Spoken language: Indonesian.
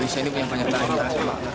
saya ini punya penyertaan yang terakhir